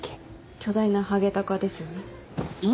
巨大なハゲタカですよね？